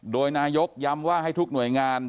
โดยนายกย้ำว่าให้ทุกหน่วยงาน